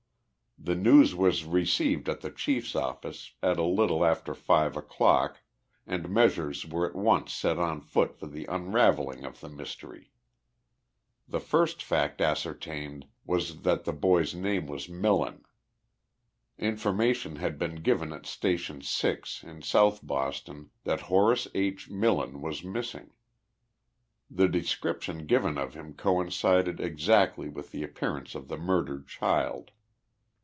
The news was received at the Chief* s office at a little after 5 o'clock and measures were at once set on foot for the unravelling of the mystery. The first fact ascertained was that the boy's name was Milieu. Information had been given at Station 0. in South Boston, that Horace II. Milieu was missing. The de scription given of him coincided exactly with the appearance of the murdered child.